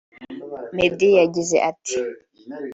Meddy yagize ati